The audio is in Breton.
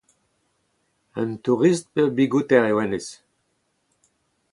Un tourist pe ur Bigouter eo hennezh ?